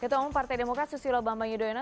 ketua umum partai demokrat susilo bambang yudhoyono